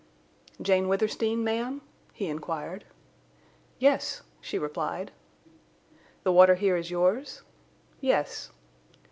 "Jane Withersteen, ma'am?" he inquired. "Yes," she replied. "The water here is yours?" "Yes."